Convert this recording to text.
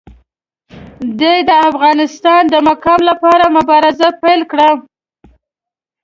ده د افغانستان د مقام لپاره مبارزه پیل کړه.